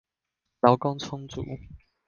勞工充足